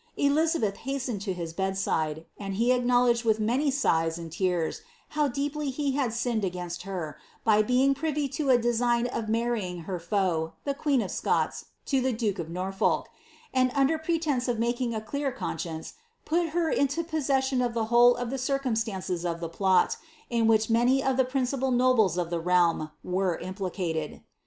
Elizabeth hastened to his bedside, and he acknowledged with many sighs and tears, how deeply he had sinned against her, by being privy to a design of marrying her foe, the queen of Scots, to the duke of Norfolk ;' and under pretence of making a clear conscience, put her into possession of the whole of the circumsuinces of the plot, in which many of the principal nobles of the realm were implicated.